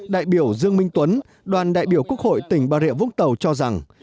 đại biểu dương minh tuấn đoàn đại biểu quốc hội tỉnh bà rịa vũng tàu cho rằng